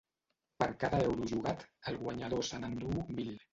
Per cada euro jugat, el guanyador se n’enduu mil.